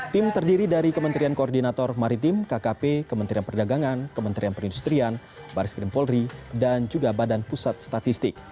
tim terdiri dari kementerian koordinator maritim kkp kementerian perdagangan kementerian perindustrian baris krim polri dan juga badan pusat statistik